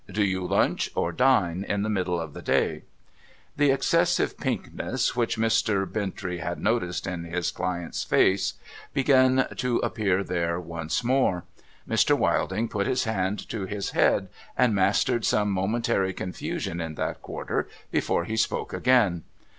Do you lunch, or dine, in the middle of the day ?'; The excessive pinkness which Mr. Bintrey had noticed in his client's face began to appear there once more. Mr. Wilding put his hand to his head, and mastered some momentary confusion in that quarter, before he spoke again.